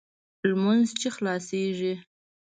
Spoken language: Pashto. لمونځ چې خلاصېږي.